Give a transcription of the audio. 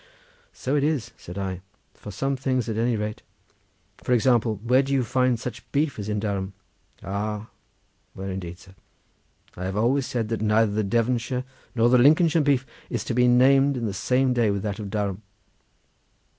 "So it is," said I; "for some things, at any rate. For example, where do you find such beef as in Durham?" "Ah, where indeed, sir? I have always said that neither the Devonshire nor the Lincolnshire beef is to be named in the same day with that of Durham."